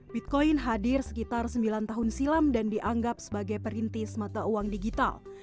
bitcoin hadir sekitar sembilan tahun silam dan dianggap sebagai perintis mata uang digital